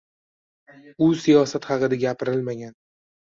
U siyosat haqida gapirilmagan.